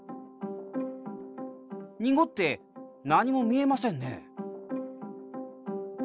濁って何も見えませんね。